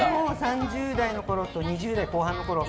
３０代のころと２０代後半のころと。